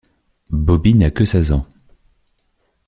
Bobby n'a que seize ans.